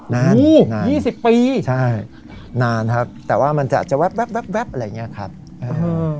นานโอ้โหยี่สิบปีใช่นานครับแต่ว่ามันอาจจะแว๊บแว๊บแว๊บแว๊บอะไรอย่างเงี้ยครับเออ